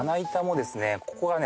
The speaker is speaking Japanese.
ここがね